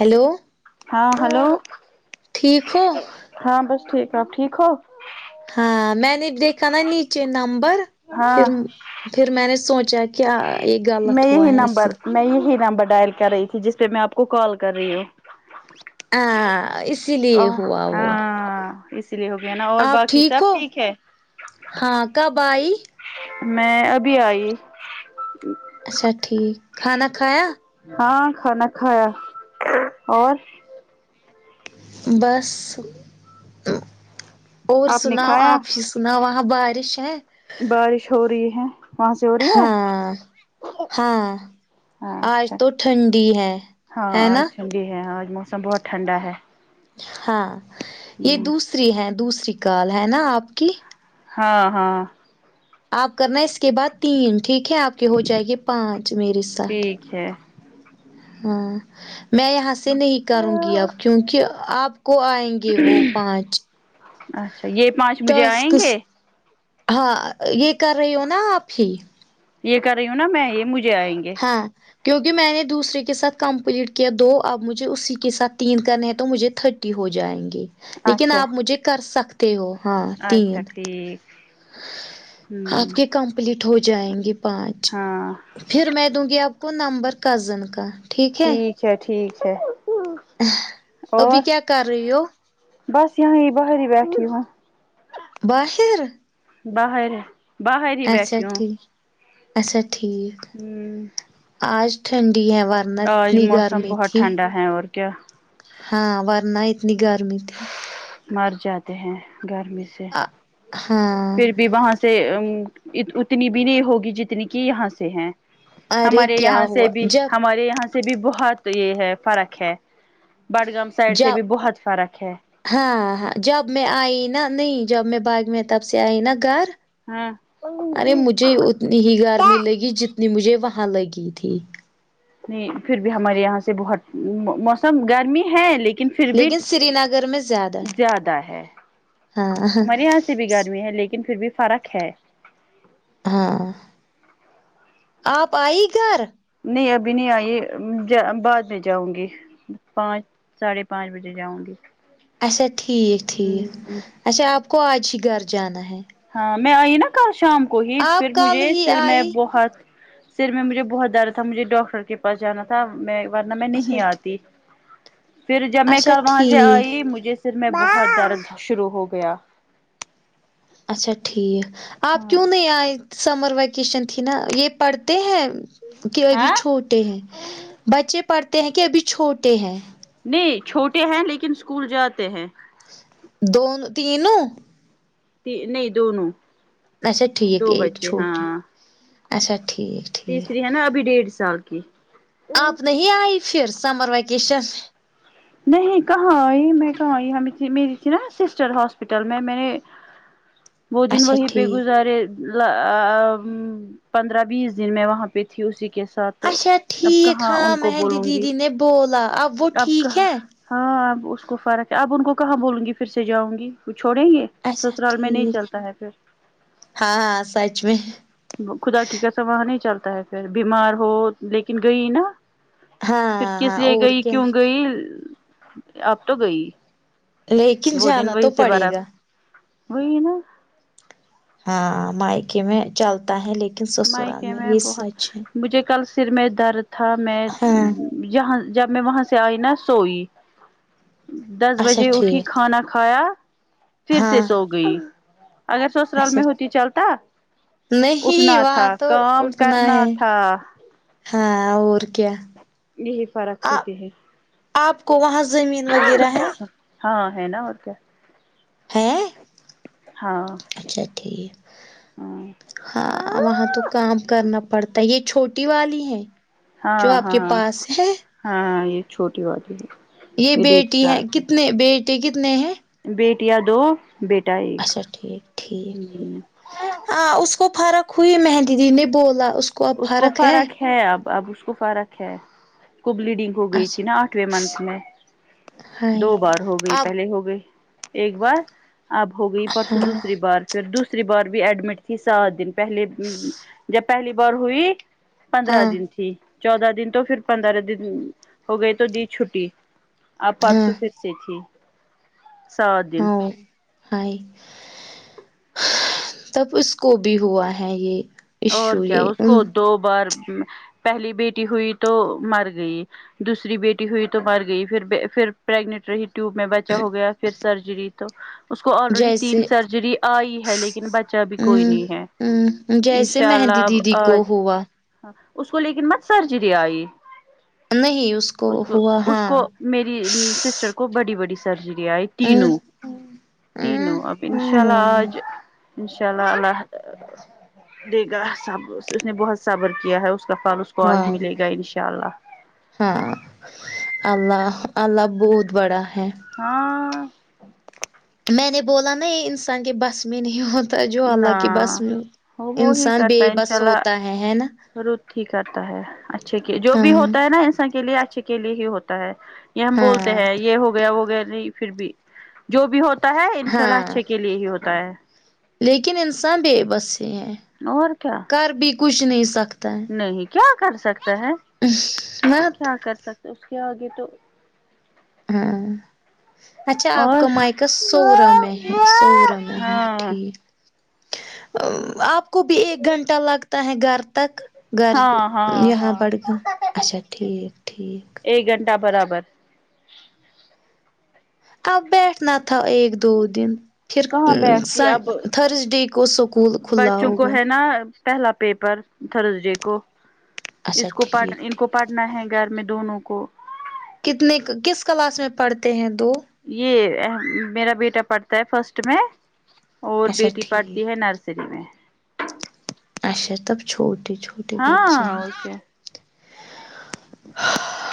hello ہاں hello ٹھیک ہو ہاں بس ٹھیک آپ ٹھیک ہو ہاں میں نے دیکھا نا نیچے نمبر ہاں پھر پھر میں نے سوچا کیا یہ غلط میں ہوا یہی ہے اس سے نمبر میں یہی نمبر ڈائل کر رہی تھی جس پہ میں آپ کو کال کر رہی ہوں ہاں اسی ا لیے ہوا وہ ہاں اس اس لیے ہو گیا نا اور آپ باقی سب ہو ٹھیک ہے ہاں کب آئی میں ابھی آئی اچھا ٹھیک کھانا کھایا ہاں کھانا کھایا اور بس اور آپ نے سناؤ کھایا آفس نہ وہاں بارش ہے بارش ہو رہی ہے وہاں سے ہو رہی ہے ہاں ہاں آج اچھا تو ٹھنڈی ہے ہاں ہے آج نا ٹھنڈی ہے ہاں اج موسم بہت ٹھنڈا ہے ہاں یہ ہ دوسری ہے دوسری کال ہے نا آپ کی ہاں ہاں آپ کرنا اس کے بعد تین ٹھیک ہے آپ کے ہو جائے گے پانچ میرے ساتھ چھ ہمم میں یہاں سے نہیں کروں گی اب کیونکہ آپ کو آئے گے وہ پانچ اچھا یہ پانچ مجھے آئیں ٹاسکس گے ہاں یہ کر رہی ہو نا آپ بھی یہ کر رہی ہوں نا میں یہ مجھے آئیں گے ہاں ھ کیونکہ میں نے دوسرے کے ساتھ کمپلیٹ کیا دو اب مجھے اسی کے ساتھ تین کرنے ہیں تو مجھے تھر ٹی ہو جائیں گے لیکن اچھا آپ مجھے کر سکتے ہو ہاں تین ٹیک آپ کے کمپلیٹ ہو جائیں گے پانچ ہاں پھر میں دوں گی اب وہ نمبر کزن کا ٹھیک ہے ٹھیک ہے اور ابھی کیا کر رہیو بس یوں ہی باہر ہی بیٹھی ہوں [unintelligible] باہر ہے باہر ہی اچھا بیٹھی ہوں ٹھیک اچھا ٹھیک ہوں آج ٹھنڈی ہوا آج موسم بہت ٹھنڈا ہے اور کیا ہاں ورنہ اتنی گرمی تھی مر جاتے ہیں گرمی سے ہاں پھر بھی وہاں سے ا اتنی بھی نہیں ہوگی جتنی کہ یہاں سے ہیں ارے ہمارے کیا یہاں سے ہوا بھی جب ہمارے یہاں سے بھی بہت یہ ہے فرق ہے بڈگام سائڈ سے جب بھی بہت فرق ہے ہاں ہاں جب میں آئی نا نہیں جب میں بعد میں تب سے آئی نا گھر ارے ہاں مجھے اتنی ہی گرمی لگی جتنی مجھے وہاں لگی تھی نہیں پھر بھی ہمارے یہاں سے بہت موسم گرمی ہے لیک کن پھر بھی لیکن سری نگر میں زیادہ ہے زیادہ ہے ہاں ہمارے یہاں سے بھی گرمی ہے لیکن پھر بھی فرق ہے ہاں آپ آئی گھر نہیں ابھی نہیں آئی جا بعد میں جاؤں گی پانچ ساڈھے پانچ بجے جاؤں گی اچھا ٹھیک ٹھیک ہ اچھا آپ کو آج ہی گھر جانا ہے ہاں میں آئی نا کل شام کو ہی آپ پھر کل مجھے ہی سر میں آئی بہت سر میں مجھے بہت درد تھا مجھے ڈاکٹر کے پاس جانا تھا میں ورنہ میں اچھا نہیں آتی پھر جب میں اچھا کل وہاں سے ٹھیک آئی مجھے سر میں بہت درد شروع ہو گیا اچھا ٹھیک آپ ہاں کیوں نہیں آئے سمر ویکیشن تھی نا یہ پڑھتے ہیں کہ ابھی ہاں چھوٹے ہیں بچے پڑھتے ہیں کہ ابھی چھوٹے ہیں نہیں چھوٹے ہیں لیکن اسکول جاتے ہیں دون تینوں تی نہیں دونوں اچھا ٹھیک دو ایک بچے چھوٹی ہاں اچھا ٹھیک تیسری ٹھیک ہے نا ابھی ڈیڑھ سال کی آپ نہیں آئی پھر سمر ویکیشن نہیں کہاں آئی میں کہاں ائی ہمیں میری تھی نا سسٹر ہاسپٹل میں مین میں نے وہ دن اچھا وہیں پہ ٹھیک گزارے ا ا پندرہ بیس دن میں وہاں پہ تھی اسی کے ساتھ تو اچھا اب ٹھیک کہاں ہاں ان کو مہندی بولوں گی دیدی نے بولا اب وہ اب ٹھیک کہاں ہے ہاں اب اس کو فرق ہے اب ان کو کہاں بولوں گی پھر سے جاؤں گی وہ چھوڑیں گے اچھا سسرال میں نہیں ٹھیک چلتا ہے پھر ہاں ہاں سچ میں خدا کی قسم وہاں نہیں چلتا ہے پھر بیمار ہو لیکن گئی نا ہاں پھر کس ہاں لیے اور گئی کیا کیوں گئی اب تو گئی لیکن وہ دن جانا تو وہی سے پر پڑے اب گا وہی نا ہاں مائکے میں چلتا ہے لیکن سسرال مائکے میں یہ سچ ہے بہت مجھے کل سر میں درد تھا میں ہاں جہاں جب میں وہاں سے آئی نا سوئی دس اچھا بجے اٹھی ٹھیک کھانا کھایا پھر سے ہاں سو گئی اگر سسرال اچھا میں ہوتی چلتا نہیں اٹھنا وہاں تھا تو کام اٹھنا کرنا ہے تھا ہاں اور کیا یہی فرق آ ہوتی ہے آپ کو وہاں زمین وغیرہ ہے ہاں ہے نا اور کیا ہےاں ہاں اچھا ٹھیک ہاں ہاں وہاں تو کام کرنا پڑتا ہے یہ چھوٹی والی ہے جو ہاں آپ کے ہاں پاس ہے ہاں یہ چھوٹی والی ہے یہ بیٹی ہے کتنے بیٹیے کتنے ہیں بیٹیا دو بیٹا ایک اچھا ٹھیک ٹھیک ٹھیک ہ ہاں اس کو فرق ہوئی مہندی دی نے بولا اس اس کو فرق ہے اب اب اس کو فرق ہے کو بلیڈنگ ہو گئی تھی نا اچھا آٹھویں منتھ میں ہائی دو بار ہو گئی اب پہلے ہو گئی ایک بار اب ہو گئی پرسوں دوسری بار پھر دوسری بار بھی ایڈمٹ تھی سات دن پہل جب پہلی بار ہوئی پندرہ ہاں دن تھی چودہ دن تو پھر پندرہ دن ہو گئے تو دی چھٹی آب ہاں پرسوں پھر سے تھی سات دن ہ تب اس کو بھی ہوا ہے یہ اور ایشو کیا یہ اس ان کو دو بار پہلی بیٹی ہوئی تو مر گئی دوسری بیٹی ہوئی تو مر گئی پھر پھر پریگنٹ رہی ٹیوب میں بچا ہو گیا پھر سرجری تو اس کو آلریڈی تین جیسے سرجری آئی ہے لیکن بچا بھی کوئی نہیں ہے ہ جیسے انشاء اللہ مہندی اب دیدی کو آج ہوا اس کو لے کے مت سرجری آئی نہیں اس کو ہوا اس ہاں کو میری سسٹر کو کو بڑی بڑی سرجری آئی ہوں تینوں ہوں تینوں اب انشاء اللہ ہوں آج انشاء اللہ اللہ دے گا اس نے بہت صبر کیا ہے اس کا فال واں ہاں اللہ اللہ بہت بڑا ہے ہاں میں نے بولا نا یہ انسان کے بس میں نہیں ہو تا جو نہ اللہ کے بس میں وہ انسان بے بس ہوتا ہے ہے نا رد ہی کرتا ہے اچھے کے جو بھی ہاں ہوتا ہے نا انسان کے لیے اچھے کے لیے ہی ہوتا ہے یہ ہم بولتے ہاں ہیں یہ ہو گیا وہ گیا نہیں پھر بھی جو بھی ہوتا ہوتا ہے ان شاء اللہ ہاں اچھے کے لیے ہی ہوتا ہے لیکن انسان بے بس ہی ہیں اور کیا کر بھی کچھ نہیں سکتا ہے نہیں کیا کر سکتا ہے مت کیا کر سکتا اس کے آگے تو ہاں اچھا آپ اور کا مائیکا سورہ ہاں میں ہے سوورہ میں ہے ٹھیک آپ کو بھی ایک گھنٹہ لگتا ہے گھر تک گھر ہاں ہاں یہاں بڑگم ہاں اچھا ٹھیک ٹھیک ایک گھنٹہ برابر اب بیٹھنا تھا ایک دو دن پھر ا کہاں بیٹھتی سن اب تھرسڈے کو اسکول کھلا بچوں کو ہوگا ہے نا پہلا پیپر تھرسڈے کو اچھا اس کو ٹھیک پڑھ ان ٹھیک کو پڑھنا ہے گھر میں دونوں کو کتنے کس کلاس میں پڑھتے ہیں دو یہ میرا بیٹا پڑھتا ہے فرسٹ میں اور اچھا بیٹی ٹھیک پڑھتی ہے نر سری میں اچھا تب چھوٹی چھوٹ ہاں اوکے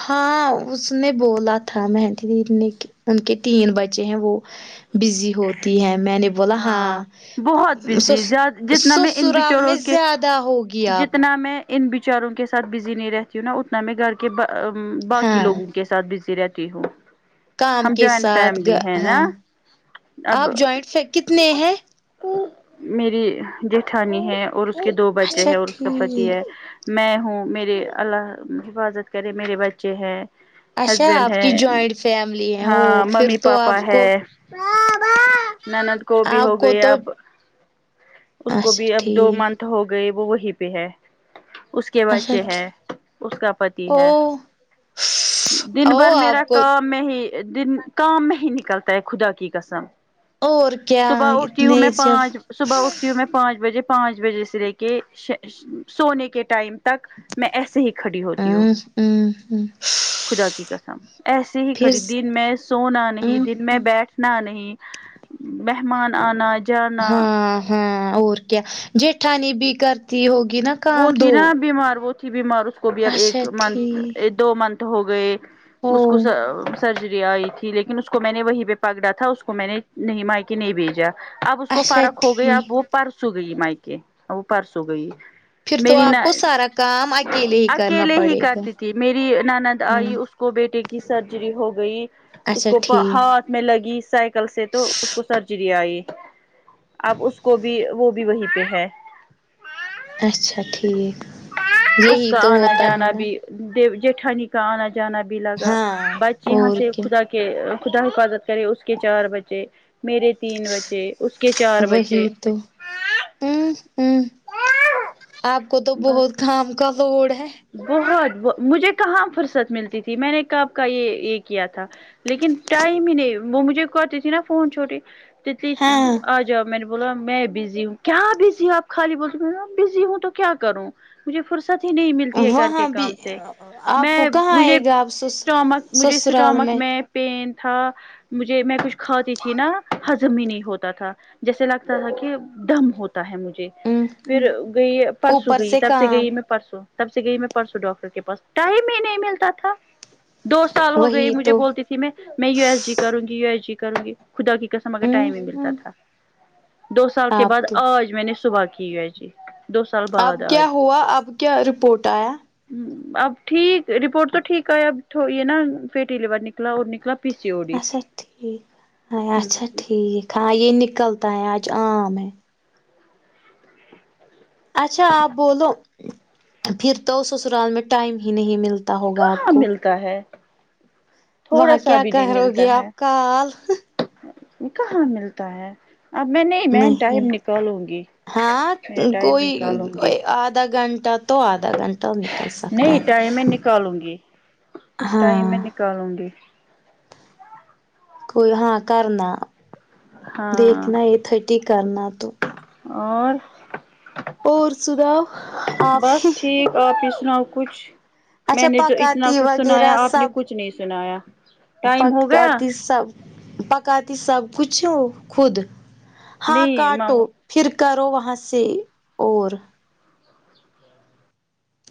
ہاں اس نے بولا تھا مہندی دیدی نے کہ ان کے تین بچے ہیں وہ بزی ہوتی ہے میں نے ہاں بہت بزی سس زیاد جتنا میں ان بیچو سسرال میں اوکے زیادہ ہوگی آپ جتنا میں ان بچاروں کے ساتھ بزی نہیں رہتی ہوں نا اتنا میں گھر کے با باقی ہاں لوگوں کے س اتھ میں بزی رہتی ہوں کام ہم کے جوائنٹ ساتھ فیملی گا ہے نا ہاں اب آپ جوائنٹ ف کتنے ہیں میری جٹھانی ہے اور اس کے دو بچے اچھا ہیں اور اس کا پتی ٹھیک ہے میں ہوں میرے اللہ حفاظت کرے میرے بچے ہیں اچھا ہسبینڈ آپ کی ہے جوائنٹ فیملی ہے وہ ہاں پھر ممی تو پاپا آپ کو ہے نند کو بھی آپ ہو کو گیا تو اب اس کو اچھا بھی اب دو ٹھیک منتھ ہو گئے وہ وہی پہ ہے اس کے اچھا بچے ہے اس کا پتی او ہے دن بھر او میرا آپ کو کام میں ہی دن کام میں ہی نکلتا ہے خدا کی قسم اور کیا صبح اٹھتی ہو میں اتنے جب پانچ صبح اٹھتی ہو میں پانچ بجے پانچ بجے سے لے کے ش ش سونے کے ٹائم تک میں ایسے ہی کھڑی ہوتی ہو ہوں ہوں ہوں خدا کی قسم ایسے ہی پھر کھڑی دن میں سونا نہیں ہوں دن میں ہوں بیٹھنا نہیں مہمان آنا جا ہاں ہاں اور کیا جٹھانی بھی کرتی ہوگی نا وہ کام تھی دو نا بیمار وہ تھی بیمار اس کو بھی اب اچھا ایک منتھ ٹھیک ایک دو منتھ ہو گئے او اس کو س رجری آئی تھی لیکن اس کو میں نے وہیں پہ پکڑا تھا اس کو میں نے نہیں مائکہ نہیں بھیجا اب اس کو اچھا فرق ہو گیا اب وہ ٹھیک پرسوں گئی مائکہ وہ پرسوں گئی پھر تو میری نا آپ کو سارا کام اکیلے ہی کرنا اکیلے ہی پڑے گا کرتی تھی میری نند آئی ہوں اس کو بیٹے کی سرجری ہو گئی اس اچھا کو پر ٹھیک ہاتھ میں لگی سائیکل سے تو اس کو سرجری آئی اب اس کو بھی وہ بھی وہیں پہ ہے اچھا ٹھیک یہی تو ہوتا ہے نا جے جیٹھانی کا آنا جانا بھی لگا ہاں بچے یہاں اور سے کیا خدا کے خدا حفاظت کرے اس کے چار بچے میرے تین بچے اس کے چار وہی بچے تو ہوں ہوں آپ کو تو بہت باقی کام کا لوڈ ہے بہت مجھے کہاں فرصت ملتی تھی میں نے کب کا یے یے کیا تھا لیکن ٹائم ہی نہیں وہ مجھے کرتی تھی نا فون چھوٹی تتی ہاں آجاؤ میں نے بولا میں بزی ہوں کیا بزی ہوں آپ خالی بولتے بزی ہوں تو کیا کروں مجھے فرصت ہی نہیں مل تی ہے گھر کے وہاں بھی کام سے آپ میں کو کہاں مجھے آئے گا آپ سسر اسٹامک مجھے سسرال اسٹامک میں پین تھا مجھے میں کچھ کھاتی تھی نا حزم ہی نہیں ہوتا تھا جیسے لگتا تھا کی دم ہوت تا ہے مجھے پھر ہوں گئی پرسوں اوپر گئی تب سے گئی کام میں پرسوں تب سے گئی میں پرسوں ڈاکٹر کے پاس ٹائم ہی نہیں ملتا تھا دو سال ہو گئی وہی مجھے تو بولتی تھی میں یو ایس جی کروں گی یو ایس جی کروں گی خدا کی قسم مگر ہوں ٹائم ہی نہیں ملتا ہوں تھا دو سال کے آپ بعد تو آج میں نے صبح کی ہے اب کیا ہوا اب کیا رپورٹ آیا اب ٹھیک رپورٹ تو ٹھیک ایا اب یے نا یے فیڈیلیوٹ نکلا اور نکلا پی سی او ڈی اچھا ٹھیک اچھا ہ ٹھیک ہاں یے نکلتا ہے آج آم ہیں اچھا آپ بولو پھر تو سسرال میں ٹائم ہی نہیں مل تا ہوگا آپ کو کا ہے تھوڑا وہاں سا کیا بھی نہیں کررو ملتا گے آپ ہے کال کہاں ملتا ہے اب میں نہیں میں ٹائم نکالوں گی ہاں میں ٹائم کوئی نکالوں گی آدھا گھنٹہ تو آدھا گھنٹہ سکتا نہیں ہے ٹائم میں نکالوں گی ٹائم میں ہاں نکالوں گی کوئی ہاں کرنا ہاں دیکھنا تھرٹی کرنا تو اور اور سناؤ آپ ہی آپی سناؤ کچھ میں اچھا نے جو اتنا پکاتی کچھ سنایا وغیرہ آپ نے سب کچھ نہیں سنایا ٹائم ہو گیا پکاتی سب پکاتی سب کچھ ہو خود ہاں نہیں کاٹو ماما پھر کرو وہاں سے اور